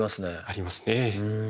ありますね。